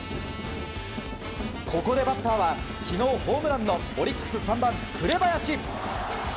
ここでバッターは昨日ホームランのオリックス３番、紅林。